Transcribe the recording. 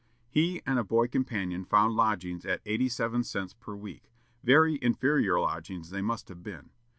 He and a boy companion found lodgings at eighty seven cents per week; very inferior lodgings they must have been.